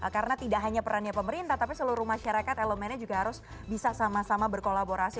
karena tidak hanya perannya pemerintah tapi seluruh masyarakat elemennya juga harus bisa sama sama berkolaborasi